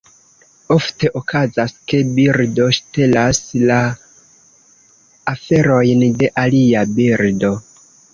Ofte okazas, ke birdo ŝtelas la aferojn de alia birdo.